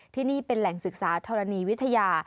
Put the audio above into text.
ที่นี่เป็นแหล่งศึกษาธรณีวิทยา